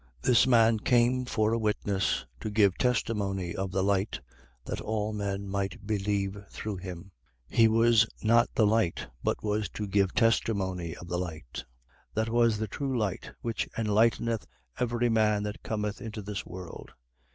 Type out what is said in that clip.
1:7. This man came for a witness, to give testimony of the light, that all men might believe through him. 1:8. He was not the light, but was to give testimony of the light. 1:9. That was the true light, which enlighteneth every man that cometh into this world.